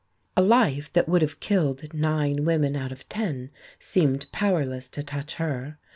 A life that would have killed nine women out of ten seemed powerless to touch her.